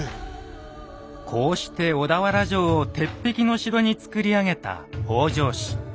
こうして小田原城を鉄壁の城に造り上げた北条氏。